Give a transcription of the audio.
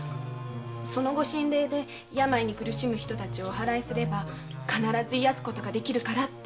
そのご神鈴で病に苦しむ人たちをお祓すれば必ず癒すことができるからって。